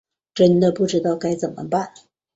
真的不知道该怎么办